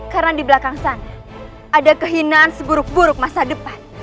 karena di belakang sana ada kehinaan seburuk buruk masa depan